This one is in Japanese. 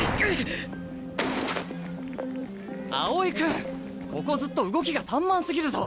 青井君ここずっと動きが散漫すぎるぞ！